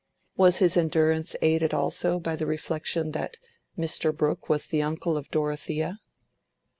Was his endurance aided also by the reflection that Mr. Brooke was the uncle of Dorothea?